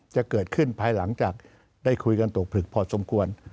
จะเกิดขึ้นภายหลังจากได้คุยกันตกผลึกพอสมควร